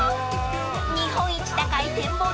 ［日本一高い展望